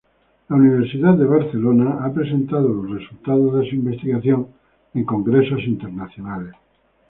La Universidad de Barcelona ha presentado los resultados de su investigación en congresos internacionales.